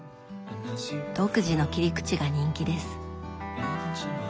独自の切り口が人気です。